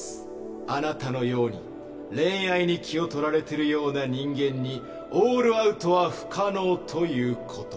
あなたのように恋愛に気を取られてるような人間にオールアウトは不可能という事。